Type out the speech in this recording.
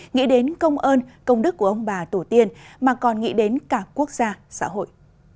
nghĩ đến công ơn công đức của ông bà tổ tiên mà còn nghĩ đến cả quốc gia xã hội